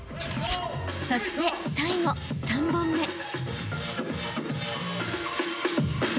［そして最後３本目］